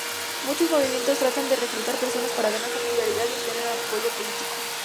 Muchos movimientos tratan de reclutar personas para ganar popularidad y obtener apoyo político.